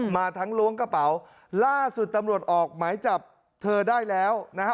มาทั้งล้วงกระเป๋าล่าสุดตำรวจออกหมายจับเธอได้แล้วนะฮะ